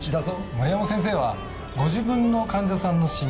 森山先生はご自分の患者さんの心配を。